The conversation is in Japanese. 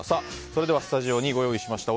それでは、スタジオにご用意しました